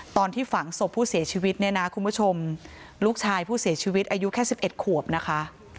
ตอนที่ฝังศพผู้เสียชีวิตเนี่ยนะคุณผู้ชมลูกชายผู้เสียชีวิตอายุแค่๑๑ขวบนะคะ